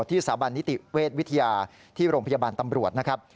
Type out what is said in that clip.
สถาบันนิติเวชวิทยาที่โรงพยาบาลตำรวจนะครับ